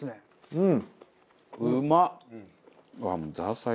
うん。